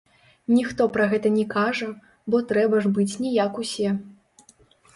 Ніхто пра гэта не кажа, бо трэба ж быць не як усе.